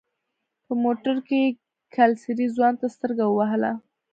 په موټر کې يې کلسري ځوان ته سترګه ووهله.